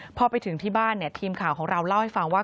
พอไปถึงที่บ้านเนี่ยทีมข่าวของเราเล่าให้ฟังว่า